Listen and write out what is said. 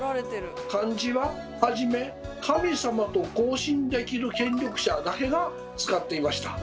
漢字は初め神様と交信できる権力者だけが使っていました。